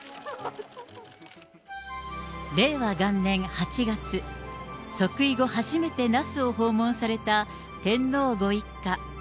令和元年８月、即位後初めて那須を訪問された天皇ご一家。